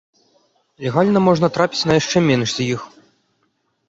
Легальна можна трапіць на яшчэ менш з іх.